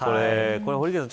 堀池さん